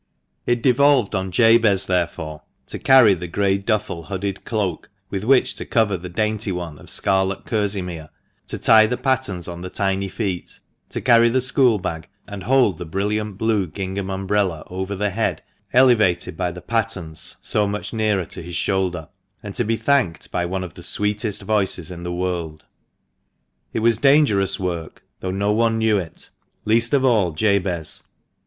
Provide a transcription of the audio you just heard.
It devolved on Jabez, therefore, to carry the grey duffel hooded cloak with which to cover the dainty one of scarlet kerseymere, to tie the pattens on the tiny feet, to carry the school bag, and hold the brilliant blue gingham umbrella over the head elevated by the pattens so much nearer to his shoulder, and to be thanked by one of the sweetest voices in the world. It was dangerous work, though no one knew it, least of all Jabez.